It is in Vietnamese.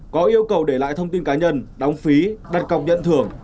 có yêu cầu để lại thông tin cá nhân đóng phí đặt cọc nhận thưởng